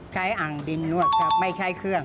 ใช้อั่งดินนวดครับไม่ใช้เครื่อง